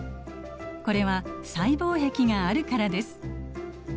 これは細胞壁があるからです。